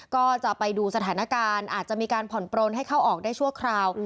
ก็จะไปดูสถานการณ์อาจจะมีการผ่อนปลนให้เข้าออกได้ชั่วคราว